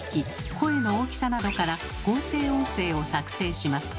声の大きさなどから合成音声を作製します。